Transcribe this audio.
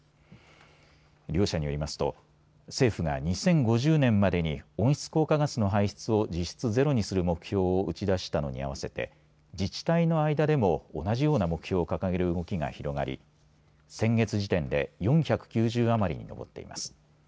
両社によりますと政府が２０５０年までに温室効果ガスの排出を実質ゼロにする目標を打ち出したのに合わせて自治体の間でも同じような目標を掲げる動きが広がり先月時点で４９０余りに上っています。